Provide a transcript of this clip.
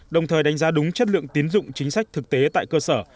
đồng thời đánh giá đúng chất lượng tiến dụng chính sách thực tế tại cơ sở